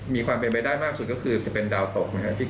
มีความเป็นไปได้มากสุดก็คือจะเป็นดาวตกนะครับ